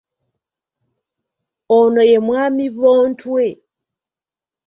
Ono ye mwami Bontwe.